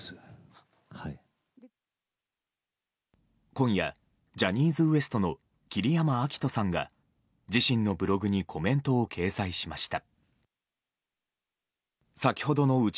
今夜、ジャニーズＷＥＳＴの桐山照史さんが自身のブログにコメントを掲載しました。